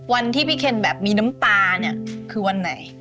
วันที่พี่เคนแบบมีน้ำตาเนี่ยคือวันไหน